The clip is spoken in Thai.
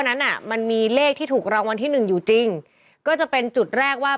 นั้นอ่ะมันมีเลขที่ถูกรางวัลที่หนึ่งอยู่จริงก็จะเป็นจุดแรกว่า